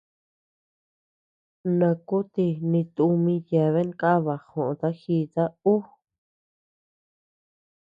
Nakuti ni tumi yeabean kaba joʼota jita ü.